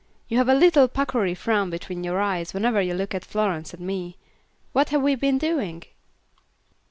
You have a little puckery frown between your eyes, whenever you look at Florence and me. What have we been doing?"